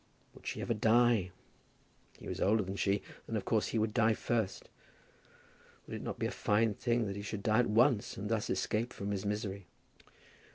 Would she ever die? He was older than she, and of course he would die first. Would it not be a fine thing if he could die at once, and thus escape from his misery?